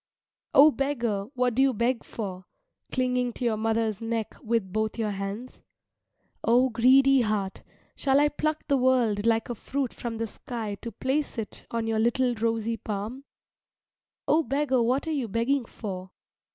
O beggar, what do you beg for, clinging to your mother's neck with both your hands? O greedy heart, shall I pluck the world like a fruit from the sky to place it on your little rosy palm? O beggar, what are you begging for?